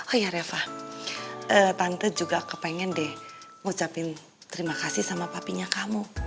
oh ya reva tante juga kepengen deh ngucapin terima kasih sama papinya kamu